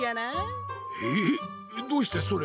えっどうしてそれを。